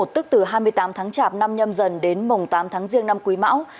tức từ hai mươi tám tháng chạp năm nhâm dần đến mùng tám tháng riêng năm quý mão